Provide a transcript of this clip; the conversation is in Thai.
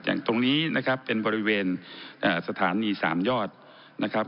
ตรงนี้นะครับเป็นบริเวณสถานีสามยอดนะครับ